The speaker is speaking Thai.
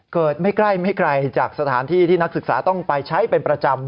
ไม่ใกล้ไม่ไกลจากสถานที่ที่นักศึกษาต้องไปใช้เป็นประจำ